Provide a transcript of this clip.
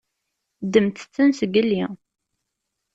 Ddment-ten zgelli.